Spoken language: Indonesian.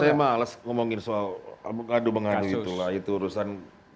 saya males ngomongin soal aduh mengadu itulah itu urusan